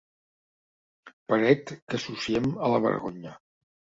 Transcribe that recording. Paret que associem a la vergonya.